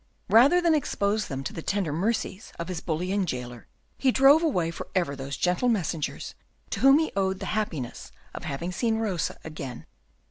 Rather than expose them to the tender mercies of his bullying jailer, he drove away for ever those gentle messengers to whom he owed the happiness of having seen Rosa again.